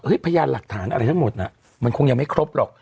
พยานหลักฐานอะไรทั้งหมดน่ะมันคงยังไม่ครบหรอก